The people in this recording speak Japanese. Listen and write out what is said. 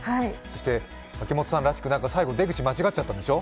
秋元さんらしく、最後、出口間違っちゃったんでしょ？